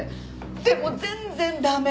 でも全然駄目！